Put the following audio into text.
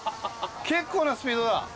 結構なスピードだ。